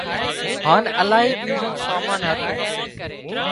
هانَ الاهي ٻيزون سامان هتون